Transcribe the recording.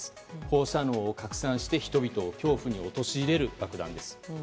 放射能を拡散して人々を恐怖に陥れる爆弾です。